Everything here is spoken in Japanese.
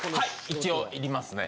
一応いりますね。